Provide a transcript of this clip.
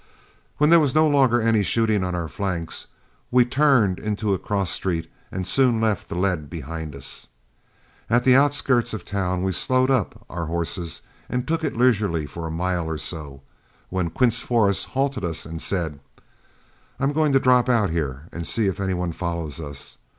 When there was no longer any shooting on our flanks, we turned into a cross street and soon left the lead behind us. At the outskirts of the town we slowed up our horses and took it leisurely for a mile or so, when Quince Forrest halted us and said, "I'm going to drop out here and see if any one follows us.